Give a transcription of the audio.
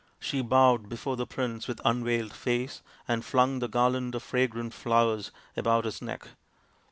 She bowed before the prince with unveiled face and flung the garland of fragrant flowers about his neck.